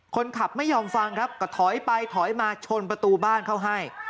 คนขับไม่ยอมฟังครับก็ถอยไปถอยมาชนประตูบ้านเขาให้